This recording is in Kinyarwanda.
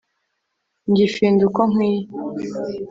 Ngifinda uko nkwiye